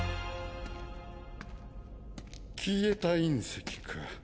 消えた隕石か。